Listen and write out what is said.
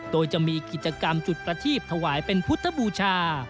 โดยจะมีกิจกรรมจุดประทีบถวายเป็นพุทธบูชา